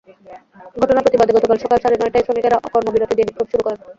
ঘটনার প্রতিবাদে গতকাল সকাল সাড়ে নয়টায় শ্রমিকেরা কর্মবিরতি দিয়ে বিক্ষোভ শুরু করেন।